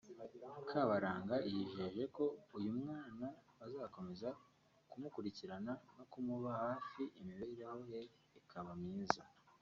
Kabaranga yijeje ko uyu mwana bazakomeza kumukurikirana no kumuba hafi imibereho ye ikaba myiza